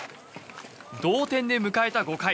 同点で迎えた５回。